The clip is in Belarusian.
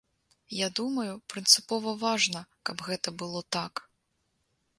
Я думаю, прынцыпова важна, каб гэта было так.